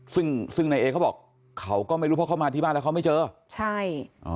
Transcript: ซึ่งซึ่งนายเอเขาบอกเขาก็ไม่รู้เพราะเขามาที่บ้านแล้วเขาไม่เจอใช่อ๋อ